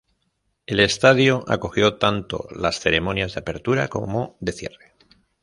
El estadio acogió tanto las ceremonias de apertura como de cierre.